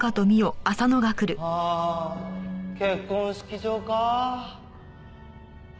はあ結婚式場か。